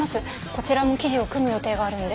こちらも記事を組む予定があるんで。